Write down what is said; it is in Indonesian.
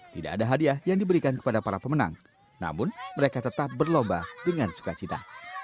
tidak ada hadiah yang diberikan kepada para pemenang namun mereka tetap berlomba dengan sukacita